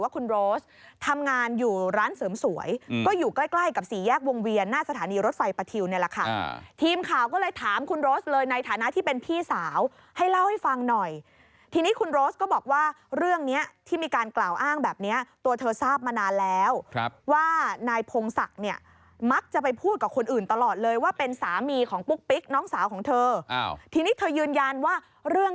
ก็อยู่ใกล้กับศรีแยกวงเวียนหน้าสถานีรถไฟประทิวนี่แหละคทีมข่าวก็เลยถามคุณโรสเลยในฐานะที่เป็นพี่สาวให้เล่าให้ฟังหน่อยทีนี้คุณโรสก็บอกว่าเรื่องนี้ที่มีการกล่าวอ้างแบบนี้ตัวเธอทราบมานานแล้วว่านายพงศักดิ์เนี่ยมักจะไปพูดกับคนอื่นตลอดเลยว่าเป็นสามีของปุ๊กปิ๊กน้องสาวของเธ